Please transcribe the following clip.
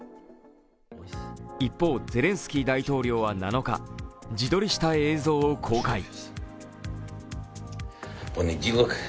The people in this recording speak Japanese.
一方、ゼレンスキー大統領は７日、自撮りした映像を公開。